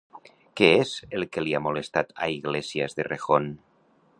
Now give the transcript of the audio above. Què és el que li ha molestat a Iglesias d'Errejón?